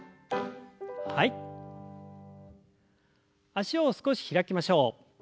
脚を少し開きましょう。